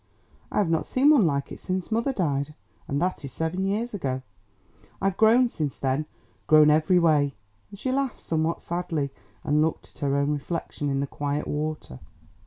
"I have not seen one like it since mother died, and that is seven years ago. I've grown since then, grown every way," and she laughed somewhat sadly, and looked at her own reflection in the quiet water.